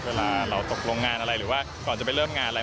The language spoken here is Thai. เวลาเราตกลงงานอะไรหรือว่าก่อนจะไปเริ่มงานอะไร